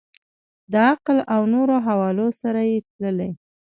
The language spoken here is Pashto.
د عقل او نورو حوالو سره یې تللي.